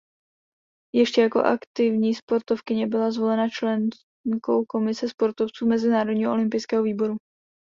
Ještě jako aktivní sportovkyně byla zvolena členkou Komise sportovců Mezinárodního olympijského výboru.